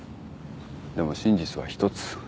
でも真実は一つ。